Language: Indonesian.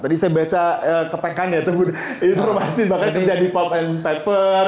tadi saya baca kepekannya itu masih bahkan kerja di pop and paper